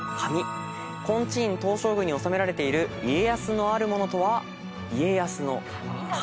金地院東照宮に納められている家康のあるものとは。